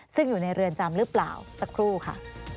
ซึ่งอยู่ในเรือนจำหรือเปล่าสักครู่ค่ะ